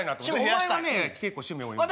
お前はね結構趣味多いもんね。